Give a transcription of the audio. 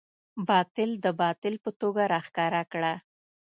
باطل د باطل په توګه راښکاره کړه.